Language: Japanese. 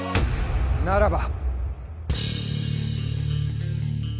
ならば。